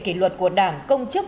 kỷ luật của đảng công chức